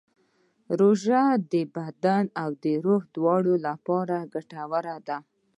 روژه د بدن او روح دواړو لپاره ګټه لري.